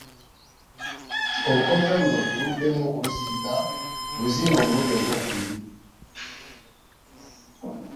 Olukomera luno tuluddemu tuluzimbe omulundi ogw'okubiri.